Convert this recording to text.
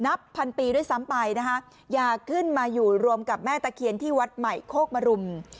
นับพันปีด้วยซ้ำไปนะคะอย่าขึ้นมาอยู่รวมกับแม่ตะเคียนที่วัดใหม่โคกมรุม